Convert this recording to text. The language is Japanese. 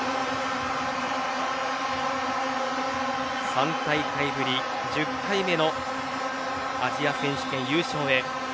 ３大会ぶり１０回目のアジア選手権優勝へ。